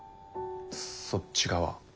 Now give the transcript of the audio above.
そっち側？